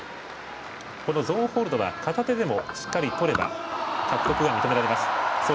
ゾーンホールドは片手でもしっかりとれば獲得が認められます。